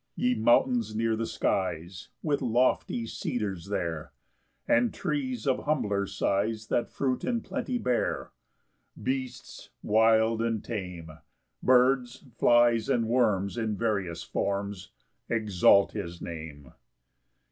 7 Ye mountains near the skies, With lofty cedars there, And trees of humbler size, That fruit in plenty bear; Beasts wild and tame, Birds, flies, and worms, In various forms Exalt his Name.